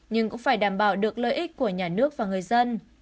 nhưng cũng phải đảm bảo được lợi ích của nhà nước và người dân